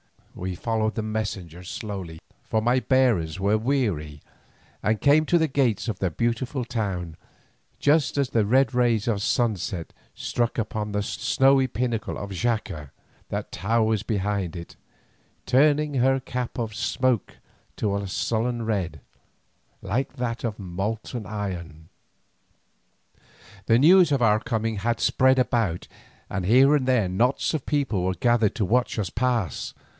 We followed the messengers slowly, for my bearers were weary, and came to the gates of the beautiful town just as the red rays of sunset struck upon the snowy pinnacle of Xaca that towers behind it, turning her cap of smoke to a sullen red, like that of molten iron. The news of our coming had spread about, and here and there knots of people were gathered to watch us pass.